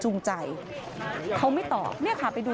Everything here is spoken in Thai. โชว์บ้านในพื้นที่เขารู้สึกยังไงกับเรื่องที่เกิดขึ้น